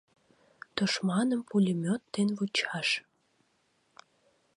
Тушманым пулемёт ден вучаш!..